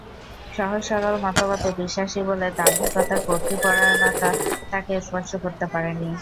সহজ, সরল মতবাদে বিশ্বাসী বলে দাম্ভিকতা, কর্তৃত্বপরায়ণতা তাঁকে স্পর্শ করতে পারেনি।